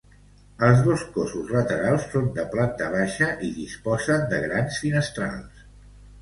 Els dos cossos laterals són de planta baixa i disposen de grans finestrals.